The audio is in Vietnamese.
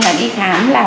là đi khám là